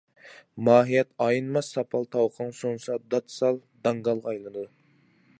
ماھىيەت ئاينىماس ساپال تاۋىقىڭ سۇنسا، داد سال: داڭگالغا ئايلىنىدۇ.